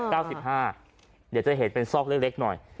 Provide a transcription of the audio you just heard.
เดี๋ยวจะเห็นเป็นซอกเล็กหน่อย